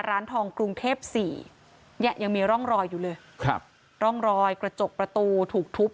ร้านทองกรุงเทพสี่เนี่ยยังมีร่องรอยอยู่เลยครับร่องรอยกระจกประตูถูกทุบ